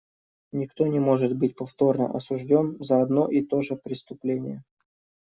Никто не может быть повторно осужден за одно и то же преступление.